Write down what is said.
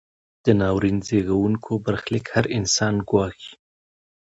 دا ناورین زیږوونکی برخلیک هر انسان ګواښي.